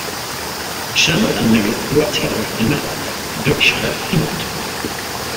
Chandler and Marriott grew up together in Matlock, Derbyshire, England.